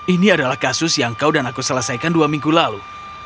ini adalah kasus yang kau dan aku selesaikan dua minggu lalu